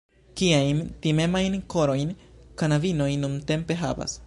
Kiajn timemajn korojn knabinoj nuntempe havas!